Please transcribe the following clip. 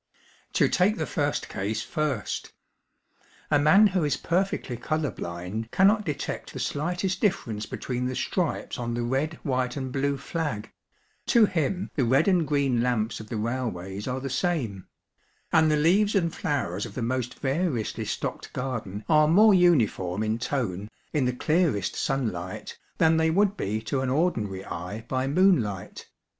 To take the first case first. A man who is perfectly 'colour blind' cannot detect the slightest difference between the stripes on the 'red, white, and blue' flag; to him the red and green lamps of the railways are the same; and the leaves and flowers of the most variously stocked garden are more uniform in tone, in the clearest sunlight, than they would be to an ordinary eye by moonlight.